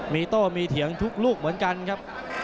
มีโต้มีเถียงทุกลูกเหมือนกันครับ